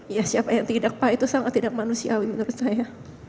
ya siapa yang tidak pak itu sangat tidak manusiawi menurut saya